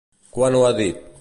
Quan ho ha dit?